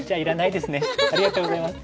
ありがとうございます。